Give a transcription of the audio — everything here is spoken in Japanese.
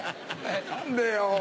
何でよ！